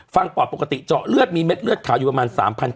ปอดปกติเจาะเลือดมีเม็ดเลือดขาวอยู่ประมาณ๓๗